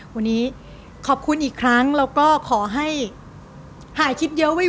วันนี้ขอบคุณอีกครั้งแล้วก็ขอให้ถ่ายคลิปเยอะไว้